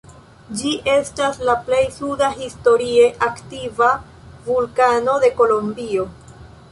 Ĝi estas la plej suda historie aktiva vulkano de Kolombio.